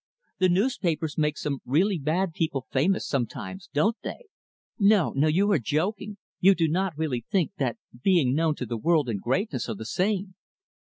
The newspapers make some really bad people famous, sometimes, don't they? No, no, you are joking. You do not really think that being known to the world and greatness are the same."